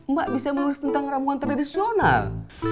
mbak bisa menulis tentang ramuan tradisional